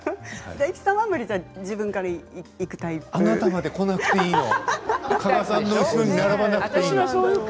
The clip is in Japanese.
大吉さんは自分からいくタイプなんですか。